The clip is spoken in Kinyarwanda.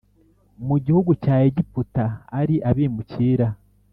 mu gihugu cya Egiputa ari abimukira